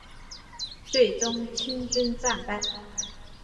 最终清军战败。